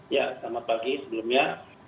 ya selamat pagi sebelumnya